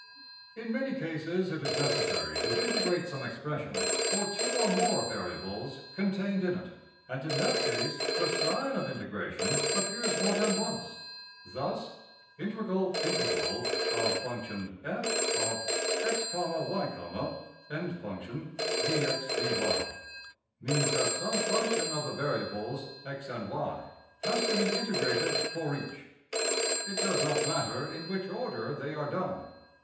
} In many cases it is necessary to integrate some expression for two or more variables contained in it; and in that case the sign of integration appears more than once. Thus, \[ \iint f(x,y,)\, dx\, dy \] means that some function of the variables $x$~and~$y$ has to be integrated for each. It does not matter in which order they are done.